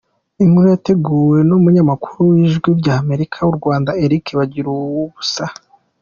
Inkuru yateguwe n’umunyamakuru w’Ijwi ry’Amerika mu Rwanda Eric Bagiruwubusa